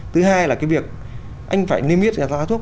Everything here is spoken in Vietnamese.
thứ hai là cái việc anh phải niêm yết giá thuốc